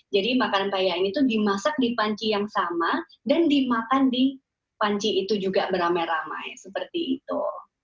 jadi makanan paheya ini tuh dimasak di panci yang sama dan dimakan di panci itu juga beramai ramai seperti itu